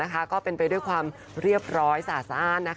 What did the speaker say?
ก็เป็นไปด้วยความเรียบร้อยสะซ่าน